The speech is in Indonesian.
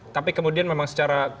tapi kemudian memang secara